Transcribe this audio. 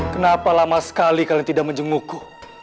kenapa lama sekali kalian tidak menjengukku